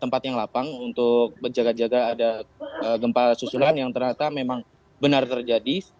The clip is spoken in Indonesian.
tempat yang lapang untuk berjaga jaga ada gempa susulan yang ternyata memang benar terjadi